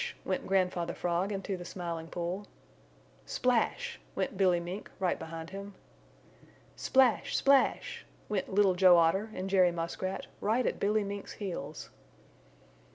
Went Grandfather Frog into the Smiling Pool. Splash! Went Billy Mink right behind him. Splash! Splash! Went Little Joe Otter and Jerry Muskrat, right at Billy Mink's heels.